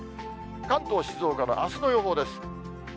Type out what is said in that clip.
関東、静岡のあすの予報です。